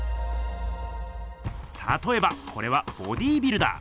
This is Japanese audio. たとえばこれはボディービルダー。